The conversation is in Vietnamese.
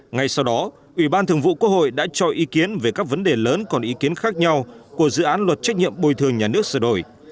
ngay sau đó ủy ban thường vụ quốc hội đã cho ý kiến về các vấn đề lớn còn ý kiến khác nhau của dự án luật trách nhiệm bồi thường nhà nước sửa đổi